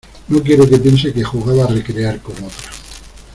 no quiero que piense que jugaba a recrear con otra